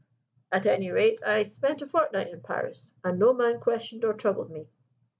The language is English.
At any rate, I spent a fortnight in Paris; and no man questioned or troubled me.